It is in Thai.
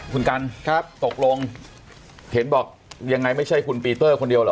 คุณกันครับตกลงเห็นบอกยังไงไม่ใช่คุณปีเตอร์คนเดียวเหรอ